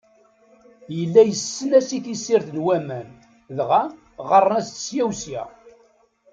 Yella yessnen-as i tessirt n waman, dɣa ɣɣaren-as-d ssya u ssya.